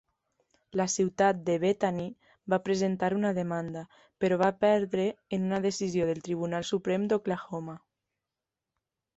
La ciutat de Bethany va presentar una demanda, però va perdre en una decisió del Tribunal Suprem d'Oklahoma.